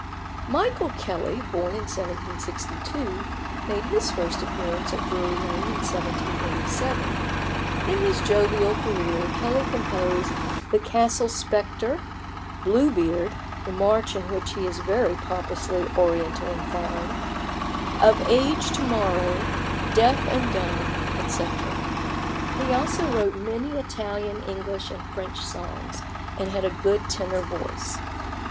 Michael Kelly, born in 1762, made his first appearance at Drury Lane in 1787. In his jovial career Kelly composed "The Castle Spectre," "Blue Beard" (the march in which is very pompously oriental and fine), "Of Age To morrow," "Deaf and Dumb," etc. He also wrote many Italian, English, and French songs, and had a good tenor voice.